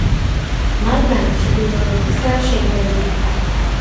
მათგან ჩრდილოეთისა შედარებით ფართოა.